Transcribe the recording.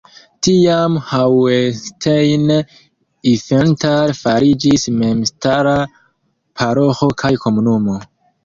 Tiam Hauenstein-Ifenthal fariĝis memstara paroĥo kaj komunumo.